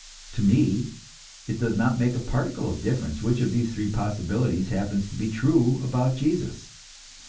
To me it does not make a particle of difference which of the three possibilities happens to be true about Jesus.